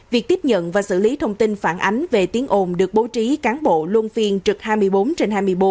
việc tiếp nhận và xử lý thông tin phản ánh về tiếng ồn được bố trí cán bộ luôn phiên trực hai mươi bốn trên hai mươi bốn